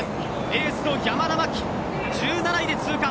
エースの山田真生１７位で通過。